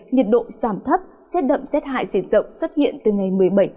nhiệt độ giảm thấp xét đậm xét hại diện rộng xuất hiện từ ngày một mươi bảy một mươi hai